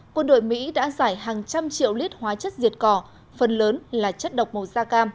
quân đội mỹ đã giải hàng trăm triệu lít hóa chất diệt cỏ phần lớn là chất độc màu da cam